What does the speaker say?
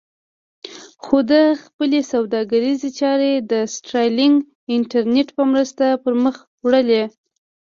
خو ده خپلې سوداګریزې چارې د سټارلېنک انټرنېټ په مرسته پر مخ وړلې.